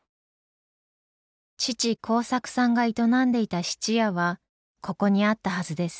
父孝作さんが営んでいた質屋はここにあったはずです。